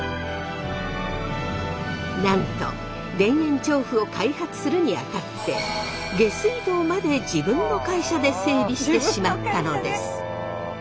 なんと田園調布を開発するにあたって下水道まで自分の会社で整備してしまったのです。